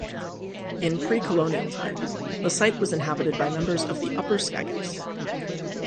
In pre-Colonial times, the site was inhabited by members of the Upper Skagits.